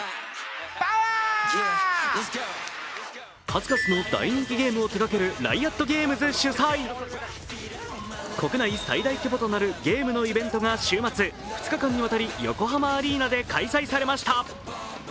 数々の大人気ゲームを手がけるＲｉｏｔＧａｍｅｓ主催国内最大規模となるゲームのイベントが週末、２日間にわたり横浜アリーナで開催されました。